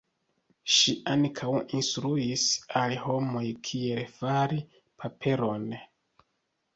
Ŝi ankaŭ instruis al homoj kiel fari paperon.